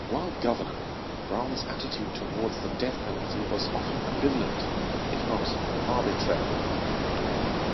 While governor, Brown's attitude toward the death penalty was often ambivalent, if not arbitrary.